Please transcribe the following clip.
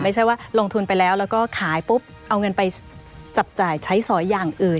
ไม่ใช่ว่าลงทุนไปแล้วแล้วก็ขายปุ๊บเอาเงินไปจับจ่ายใช้สอยอย่างอื่น